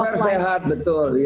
agar fair sehat betul